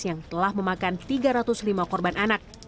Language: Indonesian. yang telah memakan tiga ratus lima korban anak